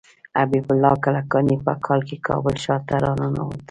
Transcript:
حبیب الله کلکاني په کال کې کابل ښار ته راننوت.